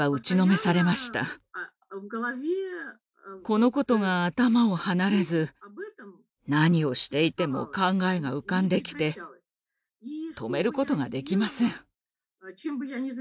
このことが頭を離れず何をしていても考えが浮かんできて止めることができません。